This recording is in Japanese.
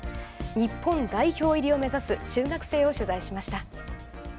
日本代表入りを目指す中学生を取材しました。